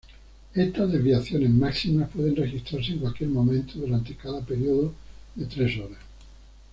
Estas desviaciones máximas pueden registrarse en cualquier momento durante cada periodo de tres horas.